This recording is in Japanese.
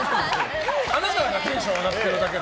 あなたがテンション上がってるだけで。